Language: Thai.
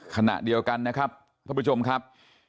ขณะเดียวกันนะครับท่านผู้ชมครับ